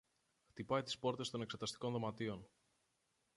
χτυπάει τις πόρτες των εξεταστικών δωματίων